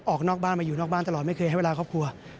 ออกนอกบ้านมาอยู่นอกบ้านตลอดไม่เคยให้เวลาครอบครัว